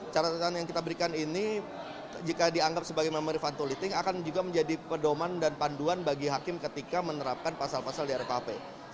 catatan yang kita berikan ini jika dianggap sebagai memory fantoliting akan juga menjadi pedoman dan panduan bagi hakim ketika menerapkan pasal pasal di rkuhp